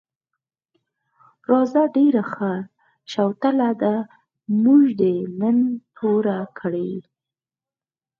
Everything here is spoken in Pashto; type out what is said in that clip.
راځه ډېره ښه شوتله ده، مور دې نن توره کړې.